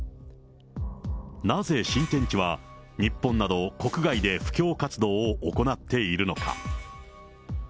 なぜ新天地は、日本など、国外で布教活動を行っているのか。